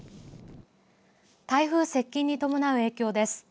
台風接近に伴う影響です。